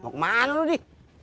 mau kemana lu di